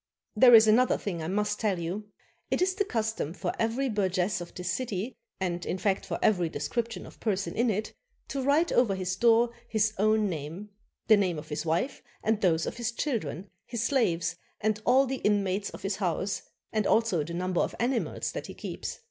There is another thing I must tell you. It is the cus tom for every burgess of this city, and in fact for every description of person in it, to write over his door his own name, the name of his wife, and those of his children, his slaves, and all the inmates of his house, and also the number of animals that he keeps.